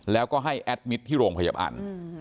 แล้วก็ให้แอดมิตรที่โรงพยาบาล